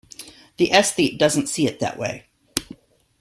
The aesthete doesn't see it that way.